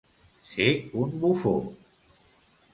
Ser un bufó.